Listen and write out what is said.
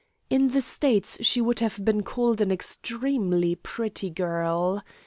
In the States she would have been called an extremely pretty girl.